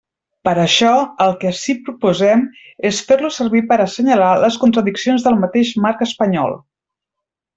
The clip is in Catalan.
Per això, el que ací proposem és fer-lo servir per a assenyalar les contradiccions del mateix marc espanyol.